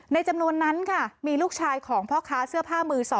จำนวนนั้นค่ะมีลูกชายของพ่อค้าเสื้อผ้ามือ๒